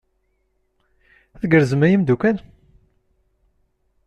Tgerrzem a imeddukal?